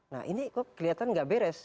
nah ini kok kelihatan nggak beres